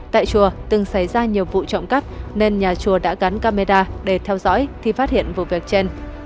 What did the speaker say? tại chùa từng xảy ra nhiều vụ trộm cắp nên nhà chùa đã gắn camera để theo dõi thì phát hiện vụ việc trên